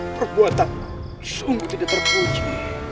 perbuatan sungguh tidak terpuji